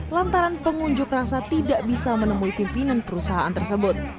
lantaran pengunjuk rasa tidak bisa menemui pimpinan perusahaan tersebut